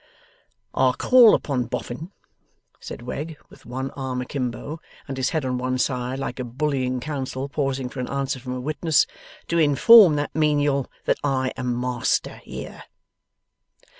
'I call upon Boffin,' said Wegg, with one arm a kimbo and his head on one side, like a bullying counsel pausing for an answer from a witness, 'to inform that menial that I am Master here!